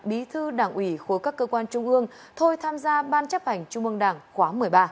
bí thư đảng ủy khối các cơ quan trung ương thôi tham gia ban chấp hành trung ương đảng khóa một mươi ba